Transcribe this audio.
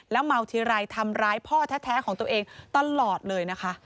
เมาทีไรทำร้ายพ่อแท้ของตัวเองตลอดเลยนะคะ